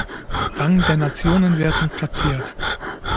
Rang der Nationenwertung platziert.